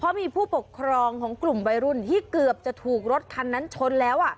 เพราะมีผู้ปกครองของกลุ่มวัยรุ่นที่เกือบจะถูกรถคันนั้นชนแล้ว